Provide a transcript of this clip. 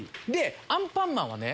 アンパンマンはね